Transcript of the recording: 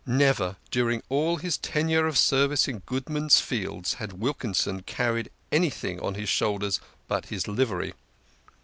Never dujing all his tenure of service in Goodman's Fields had Wilkinson carried anything on his shoulders but his livery.